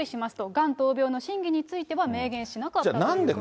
がん闘病の真偽については、明言しなかったということなんですね。